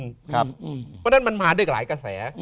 เพราะฉะนั้นมันมาด้วยหลายกระแส